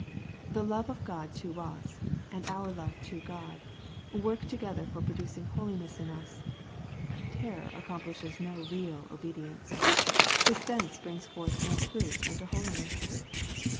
The love of God to us, and our love to God, work together for producing holiness in us. Terror accomplishes no real obedience. Suspense brings forth no fruit unto holiness.